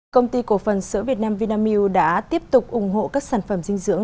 công ty cổ phần sữa việt nam vinamilk đã tiếp tục ủng hộ các sản phẩm dinh dưỡng